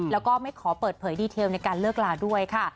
แล้วก็ไม่ขอเปิดเผยดีเทลในการเลิกลาด้วยค่ะ